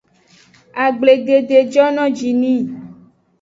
Agbledede jono ji ni.